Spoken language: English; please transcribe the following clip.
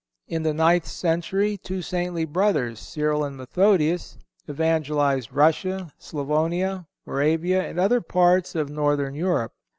In the ninth century two saintly brothers, Cyril and Methodius, evangelized Russia, Sclavonia, Moravia and other parts of Northern Europe.